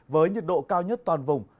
với nhiệt độ cao nhất toàn vùng